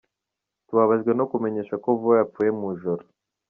Tubabajwe no kumenyesha ko Vuba yapfuye mu ijoro.